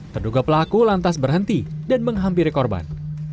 terduga pelaku lantas berhenti dan menghampiri korban